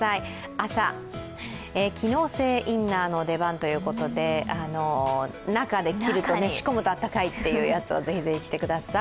朝、機能性インナーの出番ということで、中で仕込むとあったかいというやつをぜひぜひ着てください。